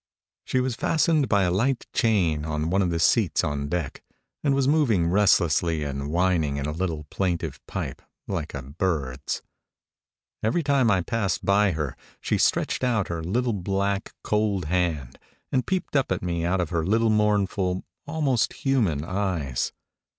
She was fastened by a light chain to one of the seats on deck, and was moving restlessly and whining in a little plaintive pipe like a bird's. Every time I passed by her she stretched out her little, black, cold hand, and peeped up at me out of her little mournful, almost human eyes.